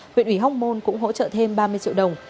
huyện ủy hóc môn cũng hỗ trợ thêm ba mươi triệu đồng